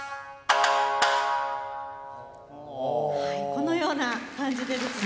このような感じでですね。